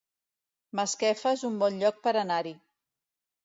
Masquefa es un bon lloc per anar-hi